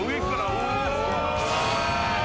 お！